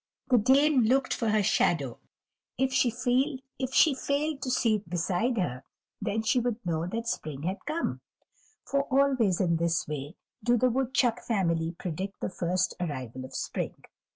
The Dame looked for her shadow; if she failed to see it beside her, then she would know that spring had come, for always, in this way, do the woodchuck family predict the first arrival of spring.